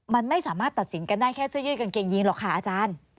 มันไม่สามารถตัดสินกันได้แค่เสื้อยืดกางเกงยีนหรอกค่ะอาจารย์